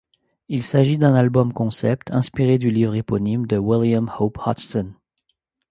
Il s'agit d'un album-concept inspiré du livre éponyme de William Hope Hodgson.